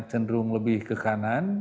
cenderung lebih ke kanan